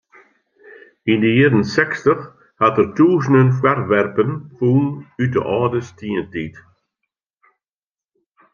Yn de jierren sechstich hat er tûzenen foarwerpen fûn út de âlde stientiid.